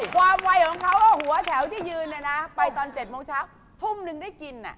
วัยของเขาว่าหัวแถวที่ยืนเนี่ยนะไปตอน๗โมงเช้าทุ่มนึงได้กิน